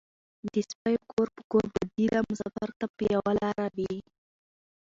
ـ د سپيو کور په کور بدي ده مسافر ته په يوه لار وي.